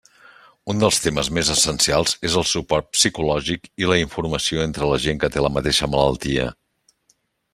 Un dels temes més essencials és el suport psicològic i la informació entre la gent que té la mateixa malaltia.